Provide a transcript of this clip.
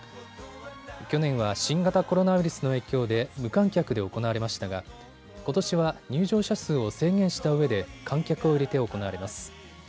去年は新型コロナウイルスの影響で無観客で行われましたがことしは入場者数を制限した上で観客を入れて行われます。